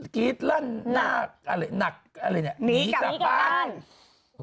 กรี๊ดลั่นหนักหนีกลับบ้าน